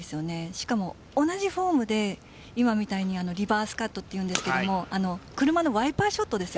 しかも同じフォームで今みたいにリバースカットというんですが車のワイパーショットです。